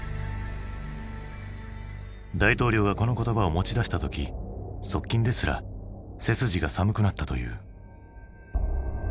大統領がこの言葉を持ち出した時側近ですら背筋が寒くなったという。